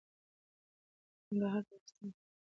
ننګرهار د افغانستان د امنیت په اړه هم اغېز لري.